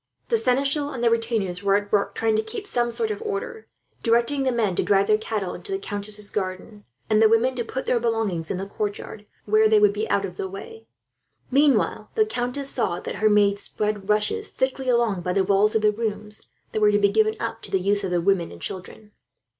The seneschal and the retainers were at work, trying to keep some sort of order; directing the men to drive the cattle into the countess's garden, and the women to put down their belongings in the courtyard, where they would be out of the way; while the countess saw that her maids spread rushes, thickly, along by the walls of the rooms that were to be given up to the use of the women and children.